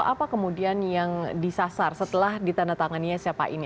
apa kemudian yang disasar setelah ditandatangannya sepa ini